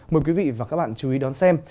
mời quý vị và các bạn chú ý đón xem